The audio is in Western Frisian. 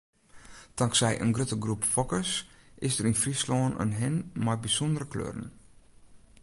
Tanksij in lytse groep fokkers is der yn Fryslân in hin mei bysûndere kleuren.